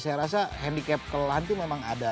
saya rasa handicap kelan itu memang ada